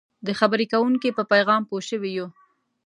د خبرې کوونکي په پیغام پوه شوي یو.